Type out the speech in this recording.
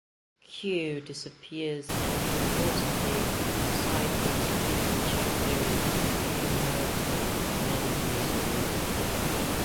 Xue disappears and is reportedly sighted in Chengdu as an immortal many years later.